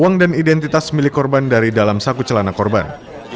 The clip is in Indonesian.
uang dan identitas milik korban dari dalam saku celana korban